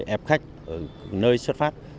ép khách nơi xuất phát